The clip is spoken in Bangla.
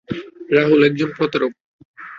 রাহুল একজন প্রতারক।